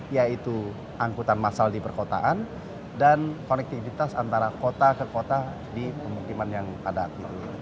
yaitu angkutan masal di perkotaan dan konektivitas antara kota ke kota di pemukiman yang padat